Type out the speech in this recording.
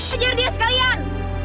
hajar dia sekalian